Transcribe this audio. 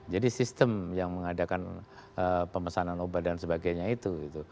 jadi sistem yang mengadakan pemesanan obat dan sebagainya itu